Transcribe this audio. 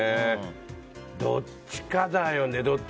どっちかだよね。